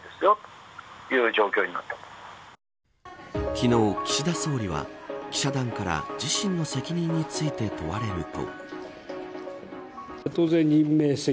昨日、岸田総理は記者団から自身の責任について問われると。